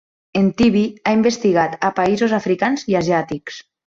En Tibi ha investigat a països africans i asiàtics.